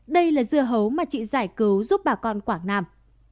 đây là dưa hấu mà chị giải cứu giúp bà con quảng nam